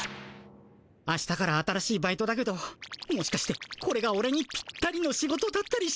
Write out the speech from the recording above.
あしたから新しいバイトだけどもしかしてこれがオレにぴったりの仕事だったりして。